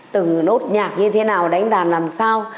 từng nốt nhạc như thế nào đánh đàn làm sao